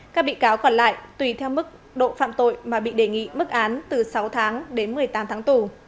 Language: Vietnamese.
các bị cáo còn lại tùy theo mức độ phạm tội mà bị đề nghị mức án từ sáu tháng đến một mươi tám tháng tù